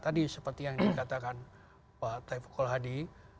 tadi seperti yang dikatakan pak taufikul hadi